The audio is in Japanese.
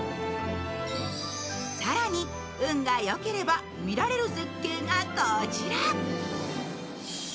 更に、運がよければ見られる絶景がこちら。